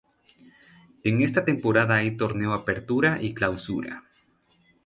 En esta temporada hay Torneo Apertura y Clausura.